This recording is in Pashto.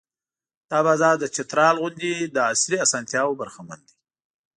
دا بازار د چترال غوندې له عصري اسانتیاوو برخمن دی.